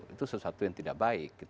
itu sesuatu yang tidak baik